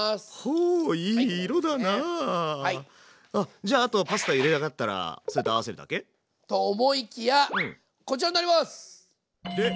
じゃああとはパスタゆで上がったらそれと合わせるだけ？と思いきやこちらになります！